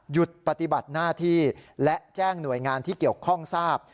ปฏิบัติหน้าที่และแจ้งหน่วยงานที่เกี่ยวข้องทราบ